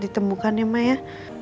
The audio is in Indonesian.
ditemukan ya ma ya